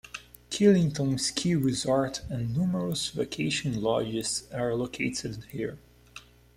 Killington Ski Resort and numerous vacation lodges are located here.